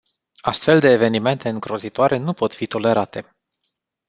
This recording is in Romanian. Astfel de evenimente îngrozitoare nu pot fi tolerate.